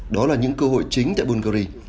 đó là những cơ hội chính tại bulgari